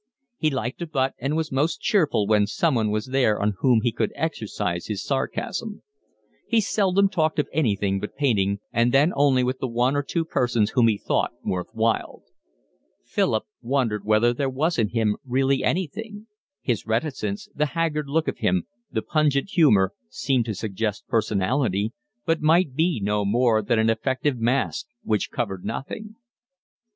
He liked a butt and was most cheerful when someone was there on whom he could exercise his sarcasm. He seldom talked of anything but painting, and then only with the one or two persons whom he thought worth while. Philip wondered whether there was in him really anything: his reticence, the haggard look of him, the pungent humour, seemed to suggest personality, but might be no more than an effective mask which covered nothing.